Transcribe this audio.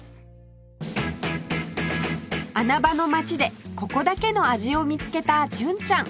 穴場の町でここだけの味を見つけた純ちゃん